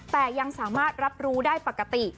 แต่ยังสามารถรับรู้ได้ปกติ